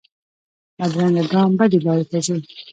بدرنګه ګام بدې لارې ته ځي